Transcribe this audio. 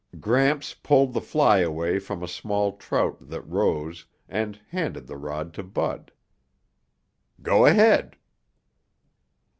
Gramps pulled the fly away from a small trout that rose and handed the rod to Bud. "Go ahead."